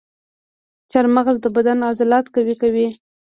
چارمغز د بدن عضلات قوي کوي.